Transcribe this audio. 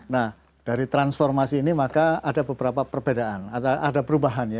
nah dari transformasi ini maka ada beberapa perbedaan atau ada perubahan ya